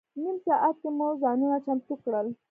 نیم ساعت کې مو ځانونه چمتو کړل.